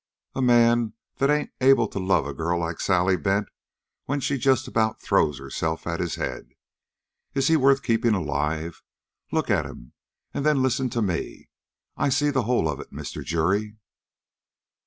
A man that ain't able to love a girl like Sally Bent when she just about throws herself at his head? Is he worth keeping alive? Look at him, and then listen to me. I see the whole of it, Mr. Jury."